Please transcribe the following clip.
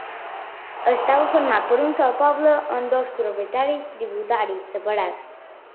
Estava format per un sol poble amb dos propietaris tributaris separats.